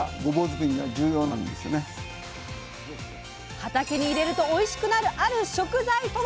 畑に入れるとおいしくなるある食材とは？